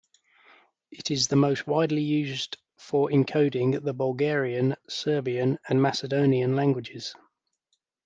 It is the most widely used for encoding the Bulgarian, Serbian and Macedonian languages.